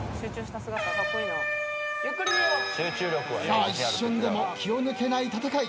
さあ一瞬でも気を抜けない戦い。